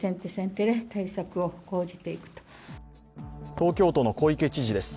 東京都の小池知事です。